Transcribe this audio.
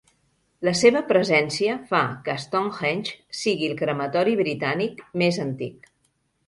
La seva presència fa que Stonehenge sigui el crematori britànic més antic.